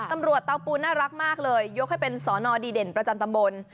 เตาปูนน่ารักมากเลยยกให้เป็นสอนอดีเด่นประจำตำบล